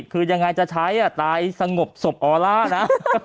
คือยังไงจะใช้ตายสงบศพออล่านะ